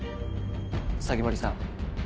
鷺森さん